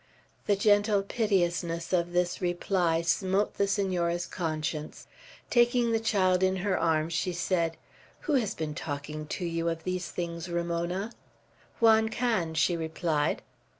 The gentle piteousness of this reply smote the Senora's conscience. Taking the child in her arms, she said, "Who has been talking to you of these things, Ramona?" "Juan Can," she replied.